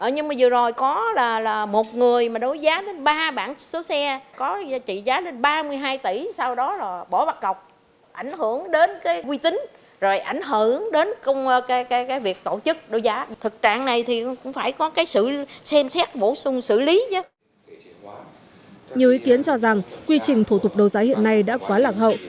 nhiều ý kiến cho rằng quy trình thủ tục đấu giá hiện nay đã quá lạc hậu